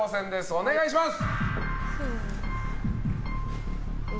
お願いします。